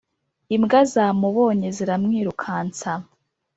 imbwa zamubonye ziramwirukansa